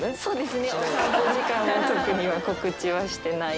そうです。